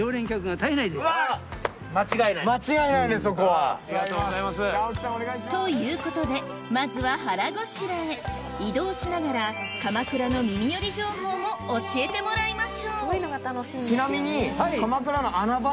そこは。ということでまずは腹ごしらえ移動しながら鎌倉の耳寄り情報も教えてもらいましょうちなみに。